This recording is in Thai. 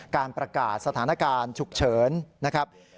การประกาศสถานการณ์ฉุกเฉินนะครับ